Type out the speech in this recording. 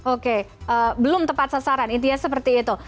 oke belum tepat sasaran intinya seperti itu